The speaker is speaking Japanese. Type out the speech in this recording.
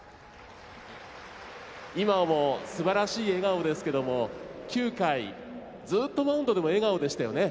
今もすばらしい笑顔ですけれども９回、ずっとマウンドでも笑顔でしたよね。